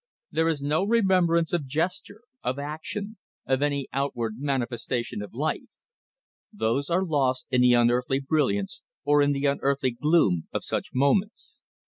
There is no remembrance of gesture, of action, of any outward manifestation of life; those are lost in the unearthly brilliance or in the unearthly gloom of such moments.